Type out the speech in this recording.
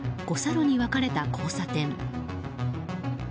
五差路に分かれた交差点。